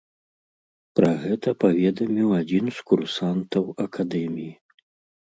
Пра гэта паведаміў адзін з курсантаў акадэміі.